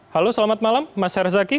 halo selamat malam mas herzaki